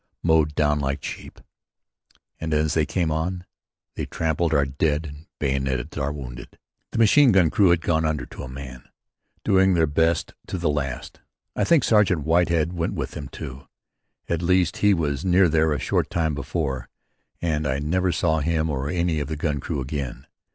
Mowed down like sheep. And as they came on they trampled our dead and bayoneted our wounded. The machine gun crew had gone under to a man, doing their best to the last. I think Sergeant Whitehead went with them, too; at least he was near there a short time before, and I never saw him or any of the gun crew again.